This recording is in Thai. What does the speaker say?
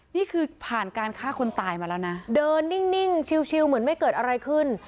นี่คือผ่านการฆ่าคนตายมาแล้วนะเดินนิ่งชิวเหมือนไม่เกิดอะไรขึ้น